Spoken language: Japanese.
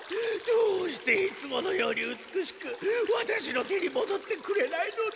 どうしていつものように美しくワタシの手にもどってくれないのだ。